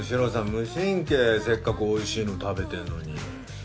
無神経せっかくおいしいの食べてんのに。